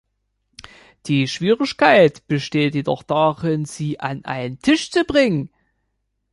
Die Schwierigkeit besteht jedoch darin, sie an einen Tisch zu bringen.